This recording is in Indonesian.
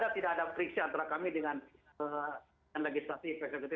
tidak ada periksa antara kami dengan legislatif legislatif